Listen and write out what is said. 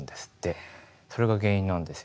それが原因なんですよ。